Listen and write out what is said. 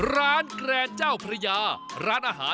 ร้านแกรนด์เจ้าพญาร้านอาหาร